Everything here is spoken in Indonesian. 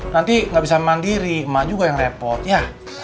nanti nggak bisa mandiri emak juga yang repot ya